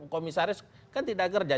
komisaris kan tidak kerja